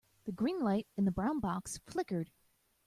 The green light in the brown box flickered.